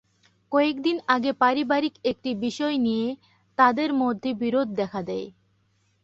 কয়েকদিন আগে পারিবারিক একটি বিষয় নিয়ে তাঁদের মধ্যে বিরোধ দেখা দেয়।